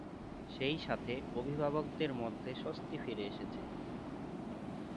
সেই সাথে অভিভাবকদের মধ্যে স্বস্তি ফিরে এসেছে।